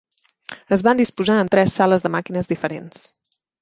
Es van disposar en tres sales de màquines diferents.